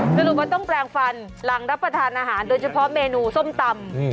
สรุปว่าต้องแปลงฟันหลังรับประทานอาหารโดยเฉพาะเมนูส้มตำ